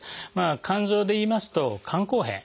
肝臓でいいますと肝硬変